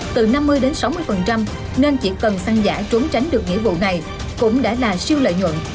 từ năm mươi sáu mươi nên chỉ cần xăng giả trốn tránh được nghĩa vụ này cũng đã là siêu lợi nhuận